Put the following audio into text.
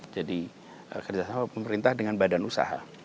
jadi kerjasama pemerintah dengan badan usaha